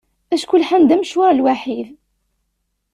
Acku lḥan-d amecwar lwaḥid.